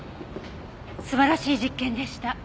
素晴らしい実験でした。